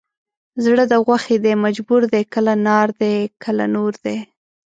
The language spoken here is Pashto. زړه د غوښې دی مجبور دی کله نار دی کله نور دی